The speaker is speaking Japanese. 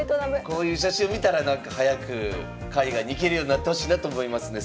こういう写真を見たら早く海外に行けるようになってほしいなと思いますね。